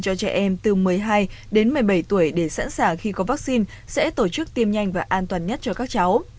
cho trẻ em từ một mươi hai đến một mươi bảy tuổi để sẵn sàng khi có vaccine sẽ tổ chức tiêm nhanh và an toàn nhất cho các cháu